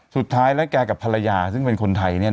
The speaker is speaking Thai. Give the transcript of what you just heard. สุดท้ายแล้วแกกับภรรยาซึ่งเป็นคนไทย